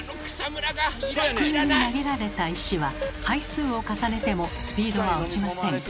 低めに投げられた石は回数を重ねてもスピードは落ちません。